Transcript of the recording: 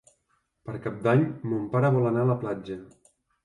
Per Cap d'Any mon pare vol anar a la platja.